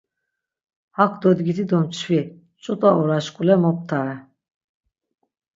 Hak dodgiti do mçvi, ç̌ut̆a oraşkule moptare.